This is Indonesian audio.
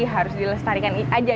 harus dilestarikan aja